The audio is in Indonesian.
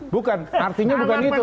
bukan artinya bukan gitu